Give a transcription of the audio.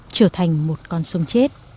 trở thành một con sông chết